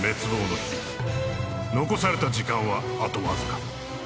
［残された時間はあとわずか］